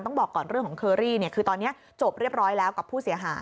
บอกก่อนเรื่องของเคอรี่คือตอนนี้จบเรียบร้อยแล้วกับผู้เสียหาย